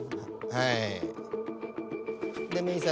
はい。